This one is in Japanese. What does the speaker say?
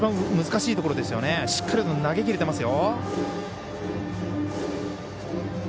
しっかりと投げ切れてますよ。